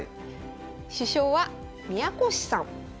主将は宮越さん。